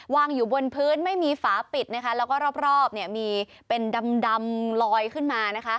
วางอยู่บนพื้นไม่มีฝาปิดนะคะแล้วก็รอบมีเป็นดำลอยขึ้นมา